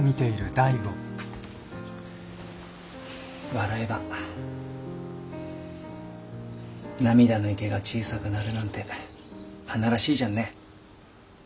笑えば涙の池が小さくなるなんてはならしいじゃんね。